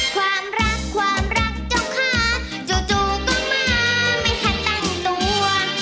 ความรักความรักเจ้าค้าจู่ก็มาไม่ทันตั้งตัว